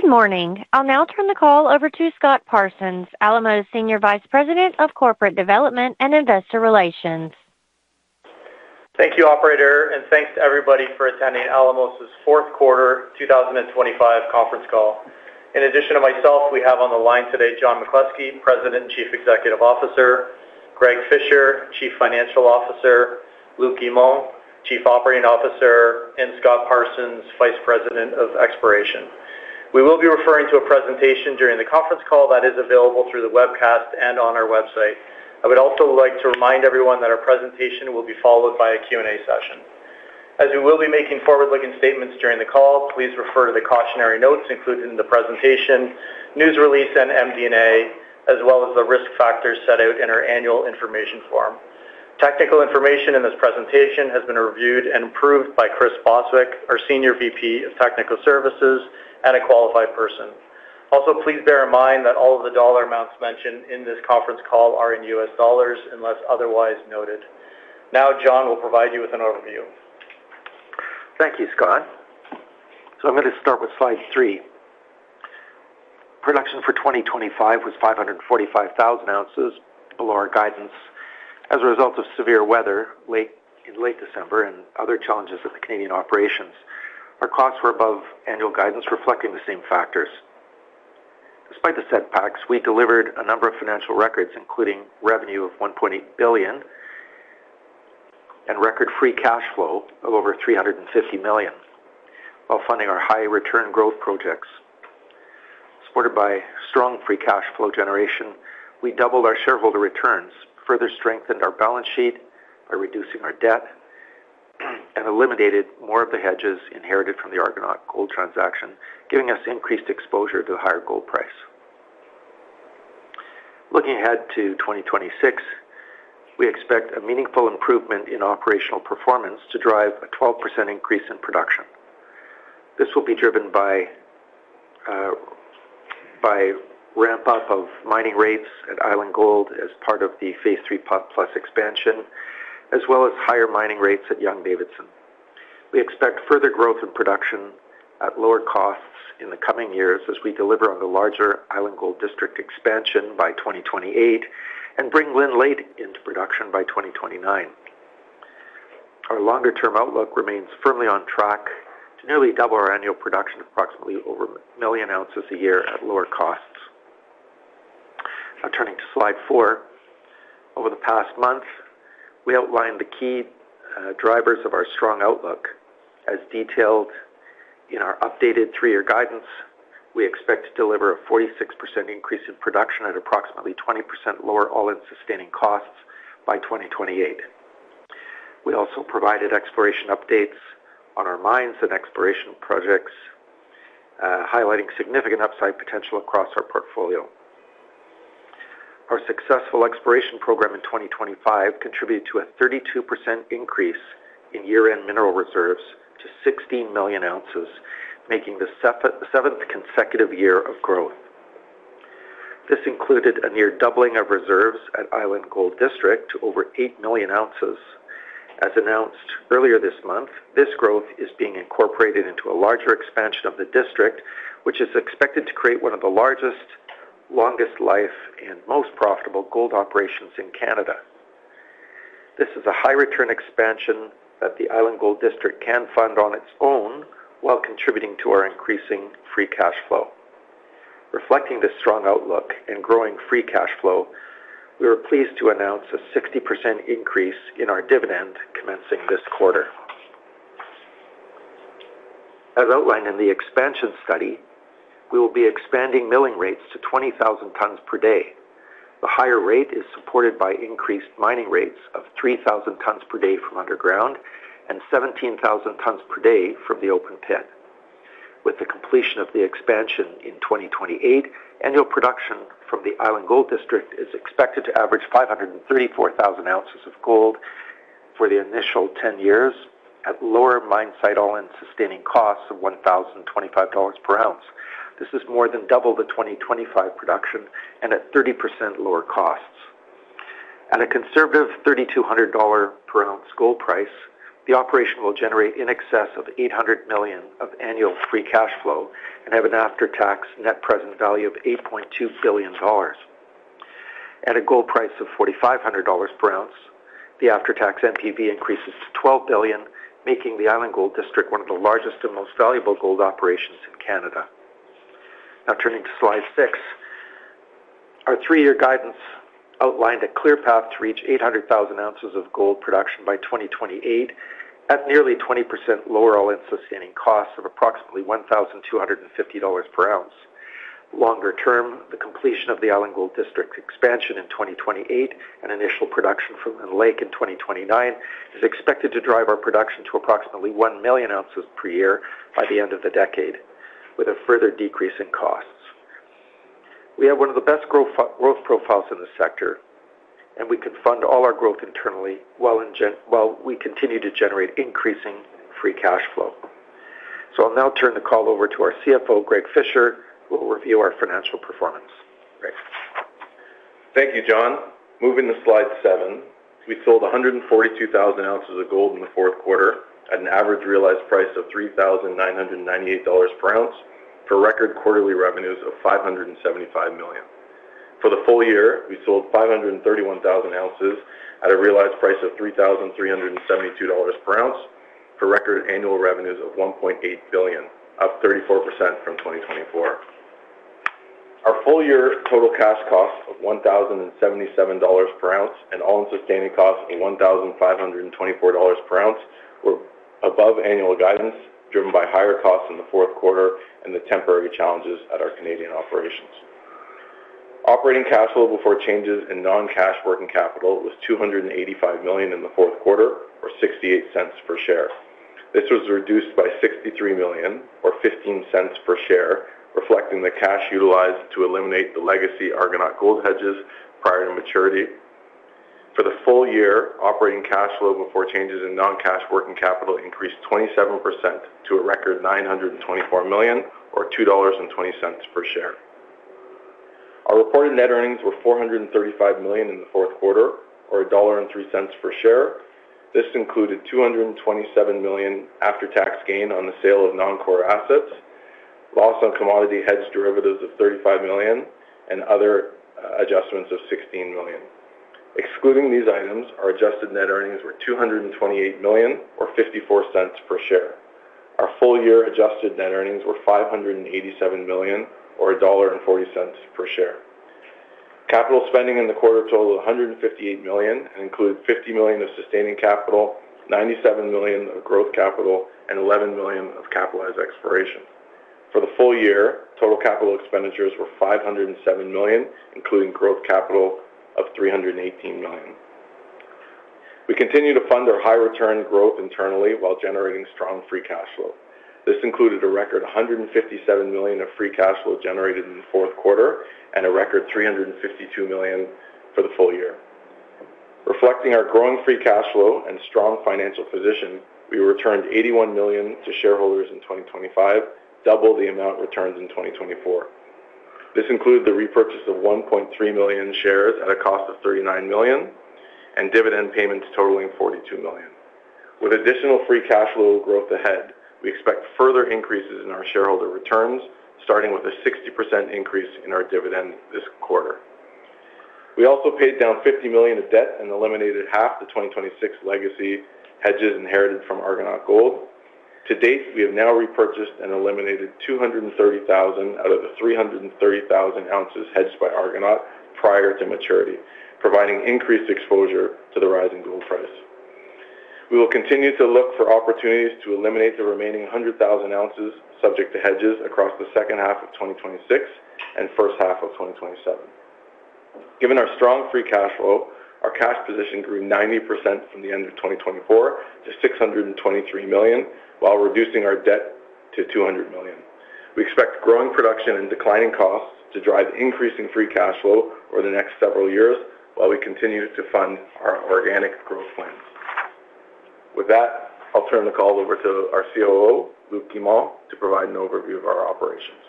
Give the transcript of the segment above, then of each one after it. Good morning! I'll now turn the call over to Scott Parsons, Alamos Senior Vice President of Corporate Development and Investor Relations. Thank you, operator, and thanks to everybody for attending Alamos's fourth quarter 2025 conference call. In addition to myself, we have on the line today, John McCluskey, President and Chief Executive Officer, Greg Fisher, Chief Financial Officer, Luc Guimond, Chief Operating Officer, and Scott Parsons, Vice President of Exploration. We will be referring to a presentation during the conference call that is available through the webcast and on our website. I would also like to remind everyone that our presentation will be followed by a Q&A session. As we will be making forward-looking statements during the call, please refer to the cautionary notes included in the presentation, news release, and MD&A, as well as the risk factors set out in our annual information form. Technical information in this presentation has been reviewed and approved by Chris Bostwick, our Senior VP of Technical Services, and a qualified person. Also, please bear in mind that all of the dollar amounts mentioned in this conference call are in US dollars, unless otherwise noted. Now, John will provide you with an overview. Thank you, Scott. So I'm going to start with slide three. Production for 2025 was 545,000 ounces below our guidance as a result of severe weather late, in late December and other challenges of the Canadian operations. Our costs were above annual guidance, reflecting the same factors. Despite the setbacks, we delivered a number of financial records, including revenue of $1.8 billion and record free cash flow of over $350 million, while funding our high return growth projects. Supported by strong free cash flow generation, we doubled our shareholder returns, further strengthened our balance sheet by reducing our debt, and eliminated more of the hedges inherited from the Argonaut Gold transaction, giving us increased exposure to a higher gold price. Looking ahead to 2026, we expect a meaningful improvement in operational performance to drive a 12% increase in production. This will be driven by ramp-up of mining rates at Island Gold as part of the Phase 3+ expansion, as well as higher mining rates at Young-Davidson. We expect further growth in production at lower costs in the coming years as we deliver on the larger Island Gold District expansion by 2028 and bring Lynn Lake into production by 2029. Our longer-term outlook remains firmly on track to nearly double our annual production, approximately over 1 million ounces a year at lower costs. Now, turning to slide 4. Over the past month, we outlined the key drivers of our strong outlook. As detailed in our updated three-year guidance, we expect to deliver a 46% increase in production at approximately 20% lower all-in sustaining costs by 2028. We also provided exploration updates on our mines and exploration projects, highlighting significant upside potential across our portfolio. Our successful exploration program in 2025 contributed to a 32% increase in year-end mineral reserves to 16 million ounces, making the seventh consecutive year of growth. This included a near doubling of reserves at Island Gold District to over 8 million ounces. As announced earlier this month, this growth is being incorporated into a larger expansion of the district, which is expected to create one of the largest, longest life and most profitable gold operations in Canada. This is a high return expansion that the Island Gold District can fund on its own, while contributing to our increasing free cash flow. Reflecting this strong outlook and growing free cash flow, we are pleased to announce a 60% increase in our dividend commencing this quarter. As outlined in the expansion study, we will be expanding milling rates to 20,000 tons per day. The higher rate is supported by increased mining rates of 3,000 tons per day from underground and 17,000 tons per day from the open pit. With the completion of the expansion in 2028, annual production from the Island Gold District is expected to average 534,000 ounces of gold for the initial 10 years at lower mine site, all-in sustaining costs of $1,025 per ounce. This is more than double the 2025 production and at 30% lower costs. At a conservative $3,200 per ounce gold price, the operation will generate in excess of $800 million of annual free cash flow and have an after-tax net present value of $8.2 billion. At a gold price of $4,500 per ounce, the after-tax NPV increases to $12 billion, making the Island Gold District one of the largest and most valuable gold operations in Canada. Now turning to slide 6. Our three-year guidance outlined a clear path to reach 800,000 ounces of gold production by 2028, at nearly 20% lower all-in sustaining costs of approximately $1,250 per ounce. Longer term, the completion of the Island Gold District expansion in 2028 and initial production from Lynn Lake in 2029 is expected to drive our production to approximately 1 million ounces per year by the end of the decade, with a further decrease in costs. We have one of the best growth, growth profiles in the sector, and we can fund all our growth internally, while we continue to generate increasing free cash flow. So I'll now turn the call over to our CFO, Greg Fisher, who will review our financial performance. Greg? Thank you, John. Moving to slide seven. We sold 142,000 ounces of gold in the fourth quarter at an average realized price of $3,998 per ounce, for record quarterly revenues of $575 million. For the full year, we sold 531,000 ounces at a realized price of $3,372 per ounce, for record annual revenues of $1.8 billion, up 34% from 2024. Our full year total cash costs of $1,077 per ounce, and all-in sustaining costs of $1,524 per ounce, were above annual guidance, driven by higher costs in the fourth quarter and the temporary challenges at our Canadian operations. Operating cash flow before changes in non-cash working capital was $285 million in the fourth quarter, or $0.68 per share. This was reduced by $63 million, or $0.15 per share, reflecting the cash utilized to eliminate the legacy Argonaut Gold hedges prior to maturity. For the full year, operating cash flow before changes in non-cash working capital increased 27% to a record $924 million, or $2.20 per share. Our reported net earnings were $435 million in the fourth quarter, or $1.03 per share. This included $227 million after-tax gain on the sale of non-core assets, loss on commodity hedge derivatives of $35 million, and other adjustments of $16 million. Excluding these items, our adjusted net earnings were $228 million or $0.54 per share. Our full year adjusted net earnings were $587 million or $1.40 per share. Capital spending in the quarter totaled $158 million, and included $50 million of sustaining capital, $97 million of growth capital, and $11 million of capitalized exploration. For the full year, total capital expenditures were $507 million, including growth capital of $318 million. We continue to fund our high return growth internally while generating strong free cash flow. This included a record $157 million of free cash flow generated in the fourth quarter, and a record $352 million for the full year. Reflecting our growing free cash flow and strong financial position, we returned $81 million to shareholders in 2025, double the amount returned in 2024. This includes the repurchase of 1.3 million shares at a cost of $39 million, and dividend payments totaling $42 million. With additional free cash flow growth ahead, we expect further increases in our shareholder returns, starting with a 60% increase in our dividend this quarter. We also paid down $50 million of debt and eliminated half the 2026 legacy hedges inherited from Argonaut Gold. To date, we have now repurchased and eliminated 230,000 out of the 330,000 ounces hedged by Argonaut prior to maturity, providing increased exposure to the rising gold price. We will continue to look for opportunities to eliminate the remaining 100,000 ounces subject to hedges across the second half of 2026 and first half of 2027. Given our strong free cash flow, our cash position grew 90% from the end of 2024 to $623 million, while reducing our debt to $200 million. We expect growing production and declining costs to drive increasing free cash flow over the next several years, while we continue to fund our organic growth plans. With that, I'll turn the call over to our COO, Luc Guimond, to provide an overview of our operations.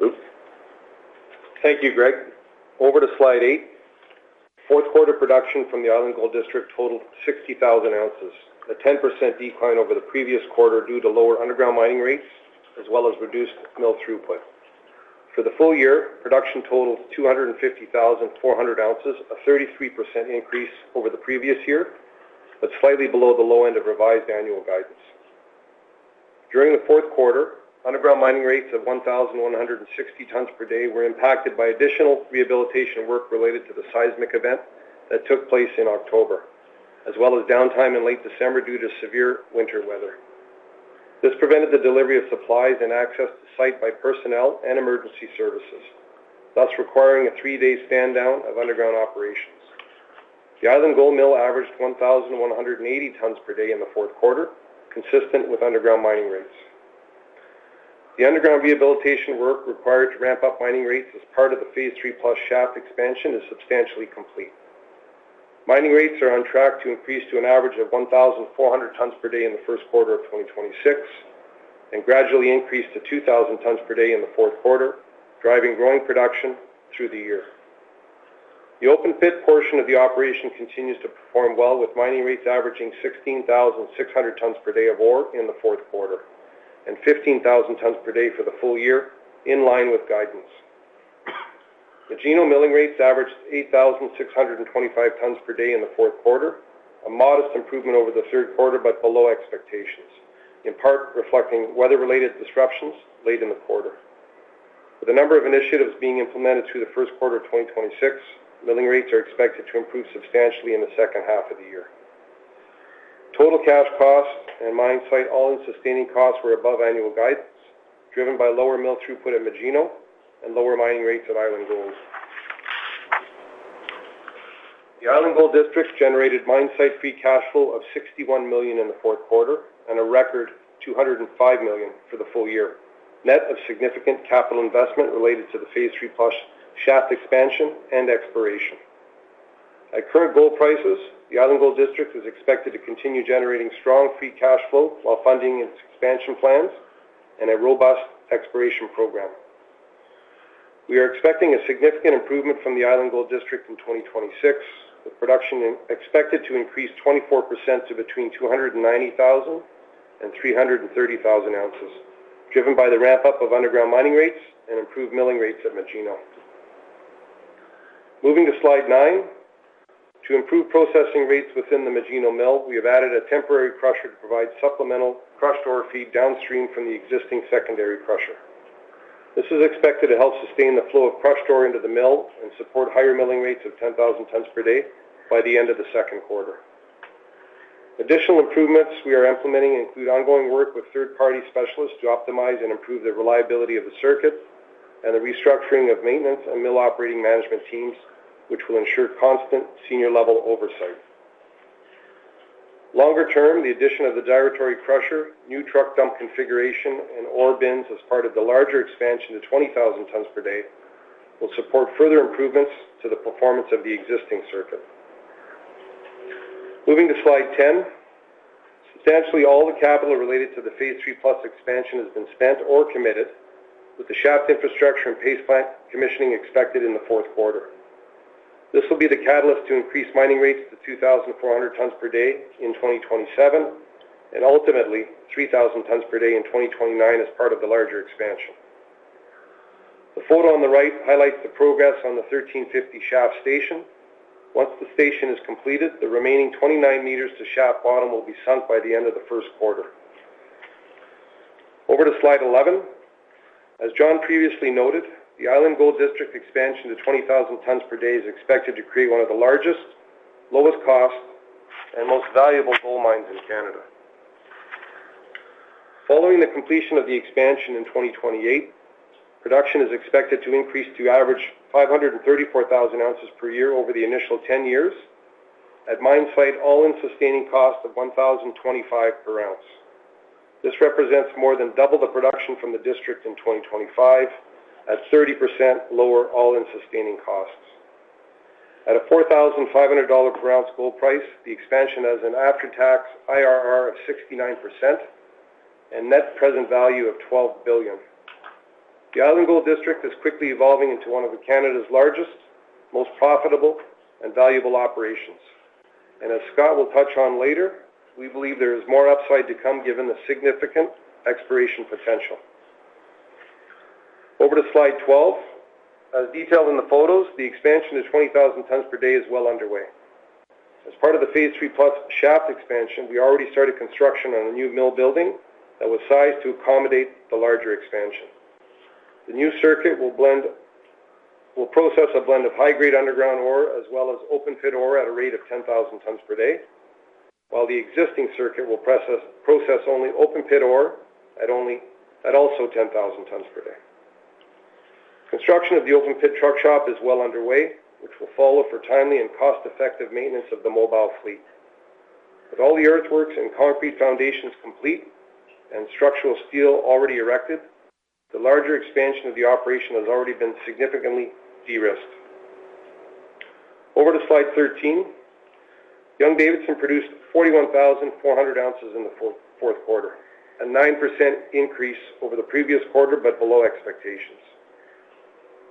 Luc? Thank you, Greg. Over to slide 8. Fourth quarter production from the Island Gold District totaled 60,000 ounces, a 10% decline over the previous quarter due to lower underground mining rates, as well as reduced mill throughput. For the full year, production totaled 250,400 ounces, a 33% increase over the previous year, but slightly below the low end of revised annual guidance. During the fourth quarter, underground mining rates of 1,160 tons per day were impacted by additional rehabilitation work related to the seismic event that took place in October, as well as downtime in late December due to severe winter weather. This prevented the delivery of supplies and access to site by personnel and emergency services, thus requiring a 3-day stand down of underground operations. The Island Gold Mill averaged 1,100 tons per day in the fourth quarter, consistent with underground mining rates. The underground rehabilitation work required to ramp up mining rates as part of the Phase 3+ shaft expansion is substantially complete. Mining rates are on track to increase to an average of 1,400 tons per day in the first quarter of 2026, and gradually increase to 2,000 tons per day in the fourth quarter, driving growing production through the year. The open pit portion of the operation continues to perform well, with mining rates averaging 16,600 tons per day of ore in the fourth quarter, and 15,000 tons per day for the full year, in line with guidance. The Magino milling rates averaged 8,625 tons per day in the fourth quarter, a modest improvement over the third quarter, but below expectations, in part reflecting weather-related disruptions late in the quarter. With a number of initiatives being implemented through the first quarter of 2026, milling rates are expected to improve substantially in the second half of the year. Total cash costs and mine-site all-in sustaining costs were above annual guidance, driven by lower mill throughput at Magino and lower mining rates at Island Gold. The Island Gold District generated mine site free cash flow of $61 million in the fourth quarter, and a record $205 million for the full year, net of significant capital investment related to the Phase 3+ shaft expansion and exploration. At current gold prices, the Island Gold District is expected to continue generating strong free cash flow while funding its expansion plans and a robust exploration program. We are expecting a significant improvement from the Island Gold District in 2026, with production expected to increase 24% to between 290,000 and 330,000 ounces, driven by the ramp-up of underground mining rates and improved milling rates at Magino. Moving to slide 9. To improve processing rates within the Magino mill, we have added a temporary crusher to provide supplemental crushed ore feed downstream from the existing secondary crusher. This is expected to help sustain the flow of crushed ore into the mill and support higher milling rates of 10,000 tons per day by the end of the second quarter. Additional improvements we are implementing include ongoing work with third-party specialists to optimize and improve the reliability of the circuit and the restructuring of maintenance and mill operating management teams, which will ensure constant senior-level oversight. Longer term, the addition of the Gyratory crusher, new truck dump configuration, and ore bins as part of the larger expansion to 20,000 tons per day, will support further improvements to the performance of the existing circuit. Moving to slide 10. Substantially, all the capital related to the Phase 3+ Expansion has been spent or committed, with the shaft infrastructure and paste plant commissioning expected in the fourth quarter. This will be the catalyst to increase mining rates to 2,400 tons per day in 2027, and ultimately, 3,000 tons per day in 2029 as part of the larger expansion. The photo on the right highlights the progress on the 1,350 shaft station. Once the station is completed, the remaining 29 meters to shaft bottom will be sunk by the end of the first quarter. Over to slide 11. As John previously noted, the Island Gold District expansion to 20,000 tons per day is expected to create one of the largest, lowest cost, and most valuable gold mines in Canada. Following the completion of the expansion in 2028, production is expected to increase to average 534,000 ounces per year over the initial 10 years, at mine site all-in sustaining cost of $1,025 per ounce. This represents more than double the production from the district in 2025, at 30% lower all-in sustaining costs. At a $4,500 per ounce gold price, the expansion has an after-tax IRR of 69% and net present value of $12 billion. The Island Gold District is quickly evolving into one of Canada's largest, most profitable, and valuable operations. And as Scott will touch on later, we believe there is more upside to come, given the significant exploration potential. Over to slide 12. As detailed in the photos, the expansion to 20,000 tons per day is well underway. As part of the Phase 3+ shaft expansion, we already started construction on a new mill building that was sized to accommodate the larger expansion. The new circuit will process a blend of high-grade underground ore, as well as open pit ore at a rate of 10,000 tons per day, while the existing circuit will process only open pit ore at also 10,000 tons per day. Construction of the open pit truck shop is well underway, which will allow for timely and cost-effective maintenance of the mobile fleet. With all the earthworks and concrete foundations complete and structural steel already erected, the larger expansion of the operation has already been significantly de-risked. Over to slide 13. Young-Davidson produced 41,400 ounces in the fourth quarter, a 9% increase over the previous quarter, but below expectations.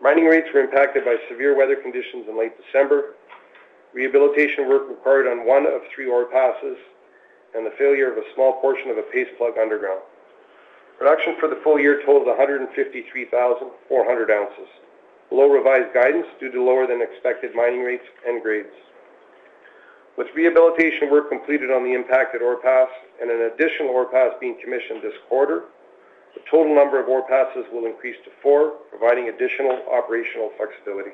Mining rates were impacted by severe weather conditions in late December, rehabilitation work required on one of three ore passes, and the failure of a small portion of a paste plug underground. Production for the full year totaled 153,400 ounces, below revised guidance due to lower than expected mining rates and grades. With rehabilitation work completed on the impacted ore pass and an additional ore pass being commissioned this quarter, the total number of ore passes will increase to four, providing additional operational flexibility.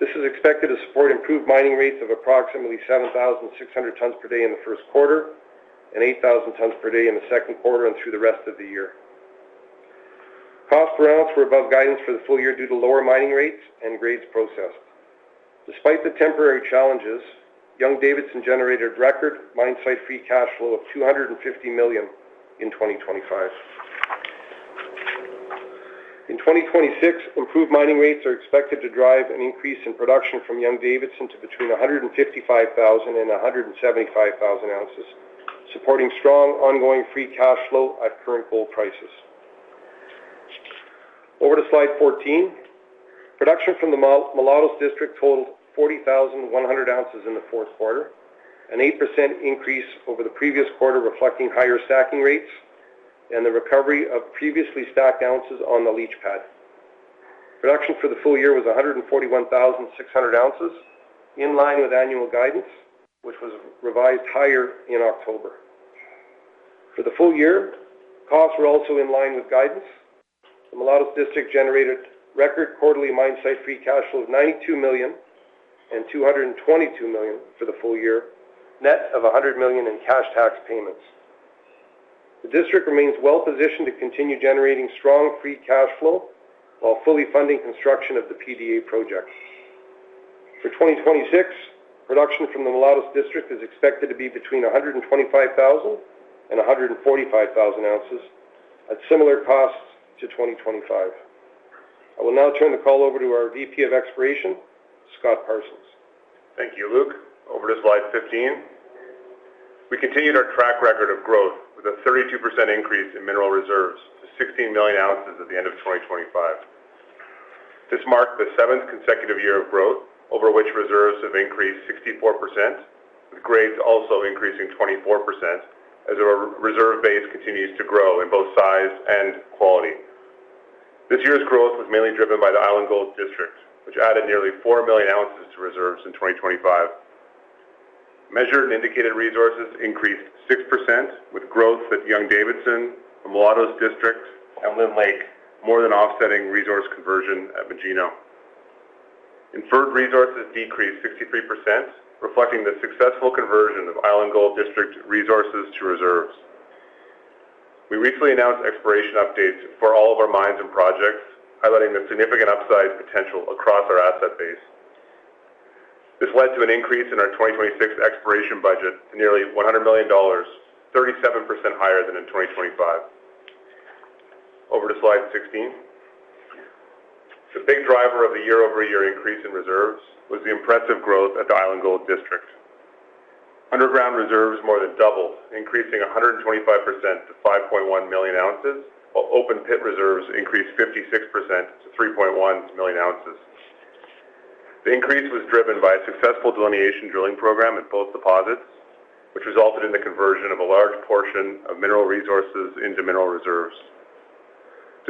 This is expected to support improved mining rates of approximately 7,600 tons per day in the first quarter and 8,000 tons per day in the second quarter and through the rest of the year. Costs per ounce were above guidance for the full year due to lower mining rates and grades processed. Despite the temporary challenges, Young-Davidson generated record mine site free cash flow of $250 million in 2025. In 2026, improved mining rates are expected to drive an increase in production from Young-Davidson to between 155,000 and 175,000 ounces, supporting strong ongoing free cash flow at current gold prices. Over to slide 14. Production from the Mulatos District totaled 41,100 ounces in the fourth quarter, an 8% increase over the previous quarter, reflecting higher stacking rates and the recovery of previously stacked ounces on the leach pad. Production for the full year was 141,600 ounces, in line with annual guidance, which was revised higher in October. For the full year, costs were also in line with guidance. The Mulatos District generated record quarterly mine site free cash flow of $92 million and $222 million for the full year, net of $100 million in cash tax payments. The district remains well-positioned to continue generating strong free cash flow while fully funding construction of the PDA project. For 2026, production from the Mulatos District is expected to be between 125,000 and 145,000 ounces at similar costs to 2025. I will now turn the call over to our VP of Exploration, Scott Parsons. Thank you, Luc. Over to slide 15. We continued our track record of growth with a 32% increase in mineral reserves to 16 million ounces at the end of 2025. This marked the seventh consecutive year of growth, over which reserves have increased 64%, with grades also increasing 24%, as our reserve base continues to grow in both size and quality. This year's growth was mainly driven by the Island Gold District, which added nearly 4 million ounces to reserves in 2025. Measured and indicated resources increased 6%, with growth at Young-Davidson, the Mulatos District, and Lynn Lake, more than offsetting resource conversion at Magino. Inferred resources decreased 63%, reflecting the successful conversion of Island Gold District resources to reserves. We recently announced exploration updates for all of our mines and projects, highlighting the significant upside potential across our asset base. This led to an increase in our 2026 exploration budget to nearly $100 million, 37% higher than in 2025. Over to slide 16. The big driver of the year-over-year increase in reserves was the impressive growth at the Island Gold District. Underground reserves more than doubled, increasing 125% to 5.1 million ounces, while open pit reserves increased 56% to 3.1 million ounces. The increase was driven by a successful delineation drilling program at both deposits, which resulted in the conversion of a large portion of mineral resources into mineral reserves.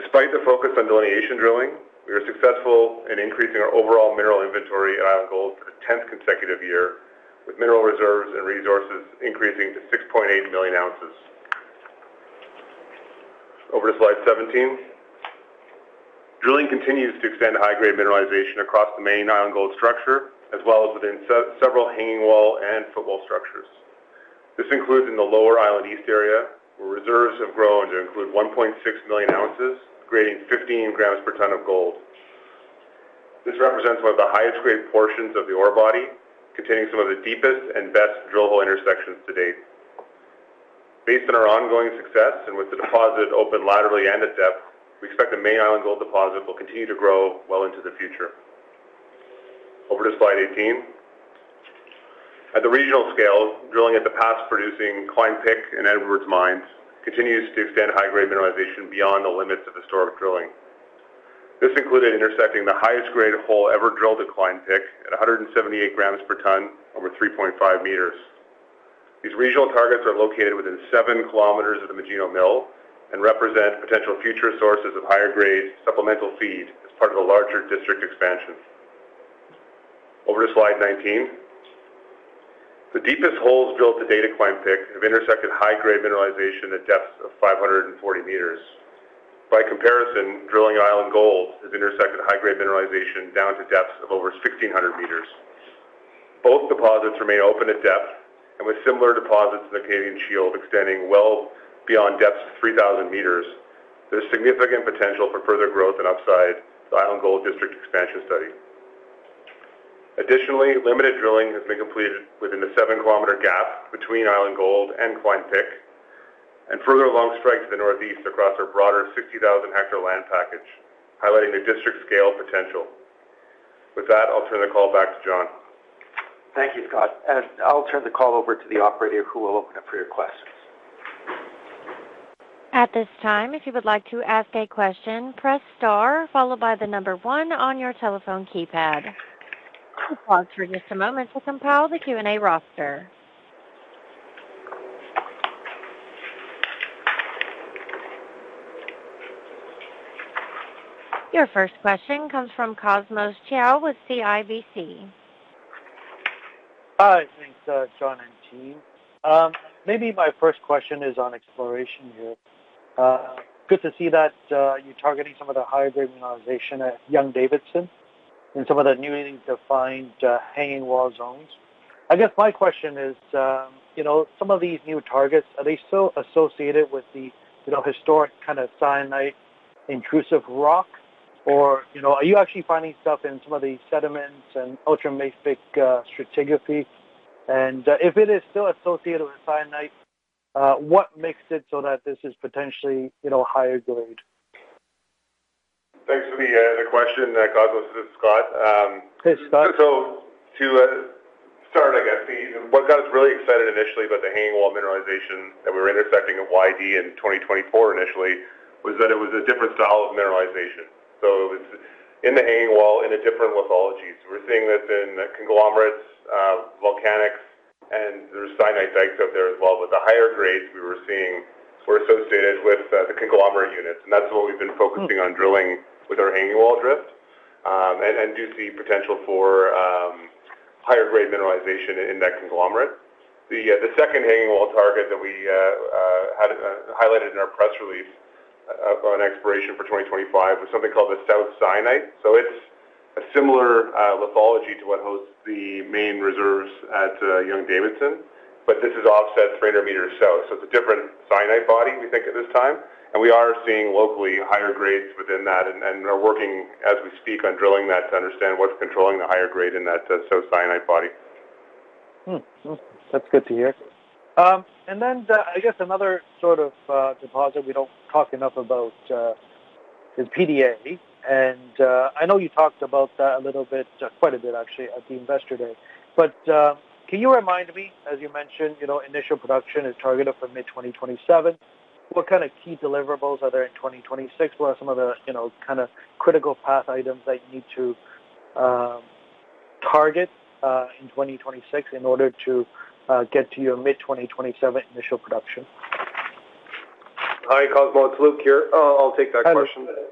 Despite the focus on delineation drilling, we are successful in increasing our overall mineral inventory at Island Gold for the 10th consecutive year, with mineral reserves and resources increasing to 6.8 million ounces. Over to slide 17. Drilling continues to extend high-grade mineralization across the main Island Gold structure, as well as within several hanging wall and footwall structures. This includes in the lower Island East area, where reserves have grown to include 1.6 million ounces, grading 15 grams per ton of gold. This represents one of the highest grade portions of the ore body, containing some of the deepest and best drill hole intersections to date. Based on our ongoing success, and with the deposit open laterally and at depth, we expect the main Island Gold deposit will continue to grow well into the future. Over to slide 18. At the regional scale, drilling at the past-producing Kline Pick and Edwards mines continues to extend high-grade mineralization beyond the limits of historic drilling. This included intersecting the highest grade hole ever drilled at Kline Pick at 178 grams per ton over 3.5 meters. These regional targets are located within 7 kilometers of the Magino Mill and represent potential future sources of higher grade supplemental feed as part of a larger district expansion. Over to slide 19. The deepest holes drilled to date at Kline Pick have intersected high-grade mineralization at depths of 540 meters. By comparison, drilling Island Gold has intersected high-grade mineralization down to depths of over 1,600 meters. Both deposits remain open at depth, and with similar deposits in the Canadian Shield extending well beyond depths of 3,000 meters, there's significant potential for further growth and upside to the Island Gold District expansion study. Additionally, limited drilling has been completed within the 7-kilometer gap between Island Gold and Kline Pick, and further along strikes to the northeast across our broader 60,000-hectare land package, highlighting the district's scale potential. With that, I'll turn the call back to John. Thank you, Scott, and I'll turn the call over to the operator, who will open up for your questions. At this time, if you would like to ask a question, press star followed by the number one on your telephone keypad. Please pause for just a moment to compile the Q&A roster. Your first question comes from Cosmos Chiu with CIBC. Hi, thanks, John and team. Maybe my first question is on exploration here. Good to see that, you're targeting some of the higher grade mineralization at Young-Davidson and some of the newly defined, hanging wall zones. I guess my question is, you know, some of these new targets, are they still associated with the, you know, historic kind of syenite intrusive rock? Or, you know, are you actually finding stuff in some of the sediments and ultramafic, stratigraphy? And, if it is still associated with syenite, what makes it so that this is potentially, you know, higher grade? Thanks for the question, Cosmos. This is Scott. Hey, Scott. So to start, I guess, what got us really excited initially about the hanging wall mineralization that we were intersecting at YD in 2024 initially, was that it was a different style of mineralization. So it's in the hanging wall, in a different lithologies. We're seeing this in conglomerates, volcanics, and there's syenite dikes out there as well. But the higher grades we were seeing were associated with the conglomerate units, and that's what we've been focusing on drilling with our hanging wall drifts, and do see potential for higher grade mineralization in that conglomerate. The second hanging wall target that we had highlighted in our press release on exploration for 2025 was something called the South Syenite. So it's a similar lithology to what hosts the main reserves at Young-Davidson, but this is offset 300 meters south. So it's a different syenite body, we think, at this time, and we are seeing locally higher grades within that and are working as we speak on drilling that to understand what's controlling the higher grade in that South Syenite body. That's good to hear. And then the, I guess, another sort of deposit we don't talk enough about is PDA. And I know you talked about that a little bit, quite a bit, actually, at the Investor Day. But can you remind me, as you mentioned, you know, initial production is targeted for mid-2027. What kind of key deliverables are there in 2026? What are some of the, you know, kind of critical path items that you need to target in 2026 in order to get to your mid-2027 initial production? Hi, Cosmo, it's Luke here. I'll take that question. So,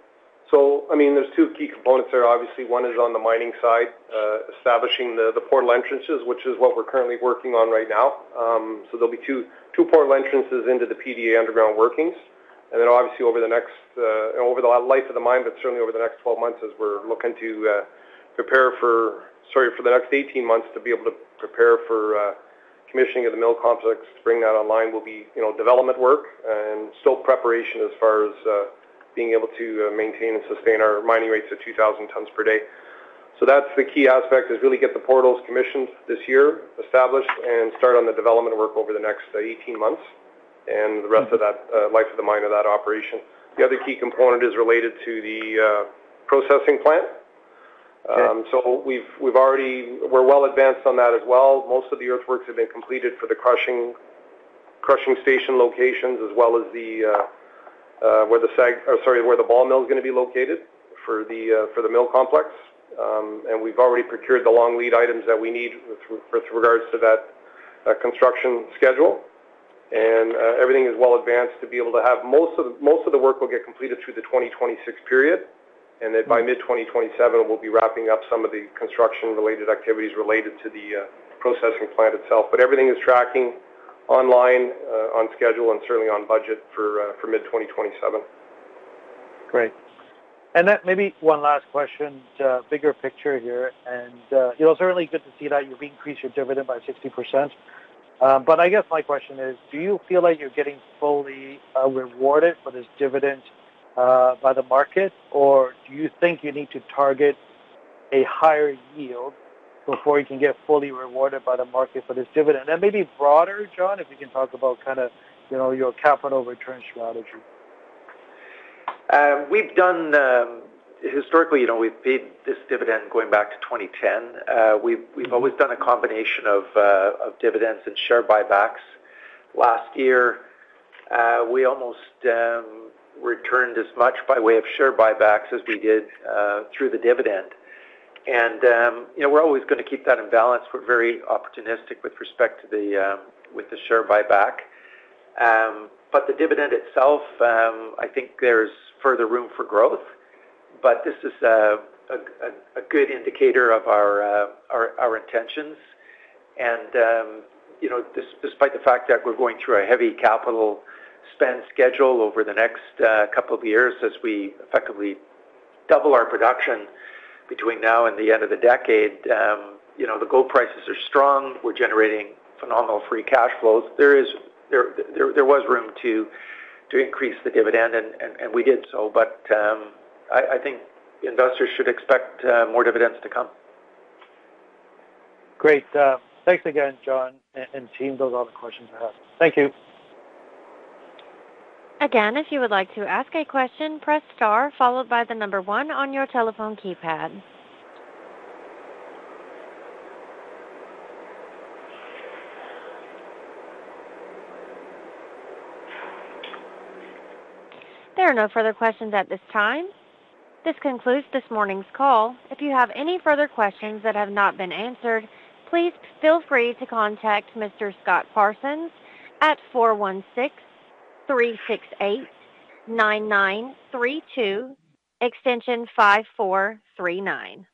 I mean, there's two key components there. Obviously, one is on the mining side, establishing the portal entrances, which is what we're currently working on right now. So there'll be two portal entrances into the PDA underground workings. And then obviously, over the next, over the life of the mine, but certainly over the next 12 months, as we're looking to prepare for. Sorry, for the next 18 months, to be able to prepare for commissioning of the mill complex, to bring that online will be, you know, development work and still preparation as far as being able to maintain and sustain our mining rates of 2,000 tons per day. So that's the key aspect, is really get the portals commissioned this year, established, and start on the development work over the next 18 months and the rest of that, life of the mine of that operation. The other key component is related to the, processing plant. So we've already-- we're well advanced on that as well. Most of the earthworks have been completed for the crushing station locations, as well as the, where the sag, or sorry, where the ball mill is gonna be located for the, for the mill complex. And we've already procured the long lead items that we need with regards to that, construction schedule. And everything is well advanced to be able to have. Most of the work will get completed through the 2026 period, and then by mid-2027, we'll be wrapping up some of the construction-related activities related to the processing plant itself. But everything is tracking online, on schedule, and certainly on budget for mid-2027. Great. And then maybe one last question, bigger picture here, and, you know, it's certainly good to see that you've increased your dividend by 60%. But I guess my question is, do you feel like you're getting fully rewarded for this dividend by the market? Or do you think you need to target a higher yield before you can get fully rewarded by the market for this dividend? And maybe broader, John, if you can talk about kind of, you know, your capital return strategy. We've done historically, you know, we've paid this dividend going back to 2010. We've always done a combination of dividends and share buybacks. Last year, we almost returned as much by way of share buybacks as we did through the dividend. And, you know, we're always gonna keep that in balance. We're very opportunistic with respect to the share buyback. But the dividend itself, I think there's further room for growth, but this is a good indicator of our intentions. And, you know, despite the fact that we're going through a heavy capital spend schedule over the next couple of years, as we effectively double our production between now and the end of the decade, you know, the gold prices are strong. We're generating phenomenal free cash flows. There was room to increase the dividend, and we did so. But, I think investors should expect more dividends to come. Great. Thanks again, John and team. Those are all the questions I have. Thank you. Again, if you would like to ask a question, press star, followed by the number 1 on your telephone keypad. There are no further questions at this time. This concludes this morning's call. If you have any further questions that have not been answered, please feel free to contact Mr. Scott Parsons at 416-368-9932, extension 5439.